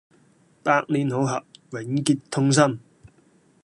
百年好合，永結同心